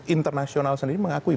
internasional sendiri mengakui